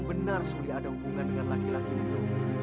benar sulit ada hubungan dengan laki laki itu